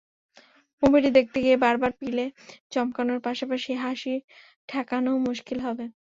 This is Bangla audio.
মুভিটি দেখতে গিয়ে বারবার পিলে চমকানোর পাশাপাশি হাসি ঠেকানোও মুশকিল হবে।